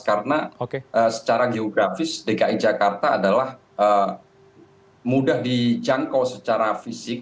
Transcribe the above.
karena secara geografis dki jakarta adalah mudah dijangkau secara fisik